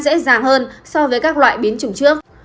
dễ dàng hơn so với các loại biến chủng trước